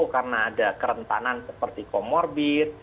karena ada kerentanan seperti komorbit